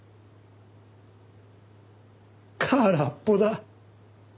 空っぽだ。